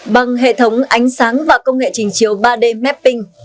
bằng hệ thống ánh sáng và công nghệ trình chiều ba d mapping